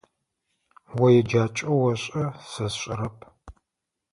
О еджакӏэ ошӏэ, сэ сшӏэрэп.